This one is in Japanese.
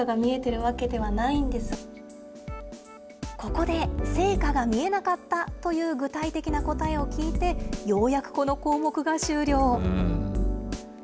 ここで成果が見えなかったという具体的な答えを聞いて、ようやくこの項目が終了。